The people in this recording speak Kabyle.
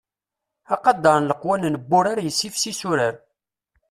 Aqader n leqwanen n wurar yessifsis urar.